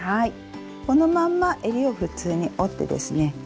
このまんまえりを普通に折ってですね